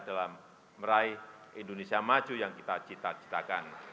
dalam meraih indonesia maju yang kita cita citakan